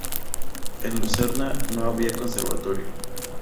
En Lucerna no había conservatorio.